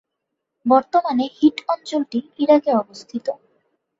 বর্তমানে হিট অঞ্চলটি ইরাকে অবস্থিত।